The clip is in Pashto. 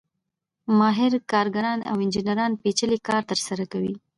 ماهر کارګران او انجینران پېچلی کار ترسره کوي